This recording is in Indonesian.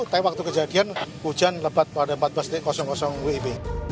tapi waktu kejadian hujan lebat pada empat belas wib